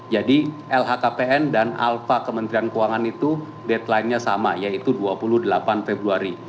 jadi lhkpn dan alfa kementerian keuangan itu deadline nya sama yaitu dua puluh delapan februari